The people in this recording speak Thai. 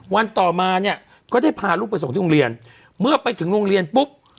วันต่อมาเนี่ยก็ได้พาลูกไปส่งที่โรงเรียนเมื่อไปถึงโรงเรียนปุ๊บ